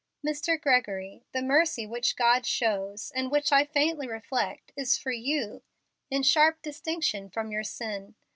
"Mr. Gregory, the mercy which God shows, and which I faintly reflect, is for you in sharp distinction from your sin.